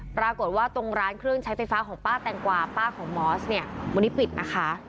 ปรากฏว่าตรงร้านเครื่องใช้ไฟฟ้าของป้าแตงกวาป้าของมอสเนี่ยวันนี้ปิดนะคะ